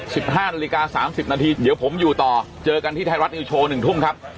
สิบห้านาฬิกาสามสิบนาทีเดี๋ยวผมอยู่ต่อเจอกันที่ไทยรัฐนิวโชว์หนึ่งทุ่มครับ